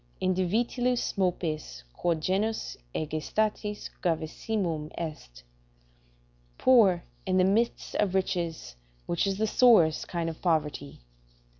"In divitiis mopes, quod genus egestatis gravissimum est." ["Poor in the midst of riches, which is the sorest kind of poverty."